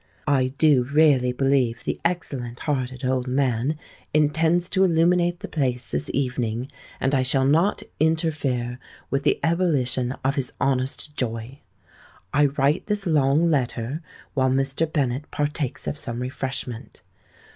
I do really believe the excellent hearted old man intends to illuminate the Place this evening; and I shall not interfere with the ebullition of his honest joy. "I write this long letter while Mr. Bennet partakes of some refreshment.